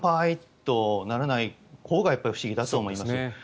とならないほうが不思議だと思います。